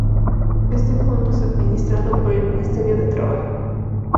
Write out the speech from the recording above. Este fondo es administrado por el Ministerio de Trabajo.